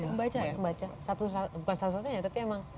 membaca bukan satu satunya tapi emang